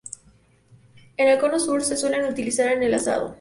En el Cono Sur se suelen utilizar en el asado.